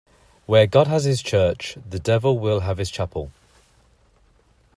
Where God has his church, the devil will have his chapel.